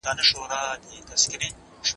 ملامحمدشريف جانان عبدالروف بېنوا